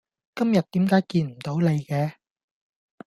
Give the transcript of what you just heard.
今日點解見唔到你嘅